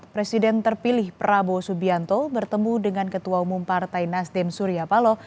presiden terpilih prabowo subianto bertemu dengan ketua umum partai nasdem surya paloh